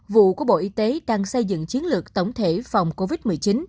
vụ của bộ y tế đang xây dựng chiến lược tổng thể phòng covid một mươi chín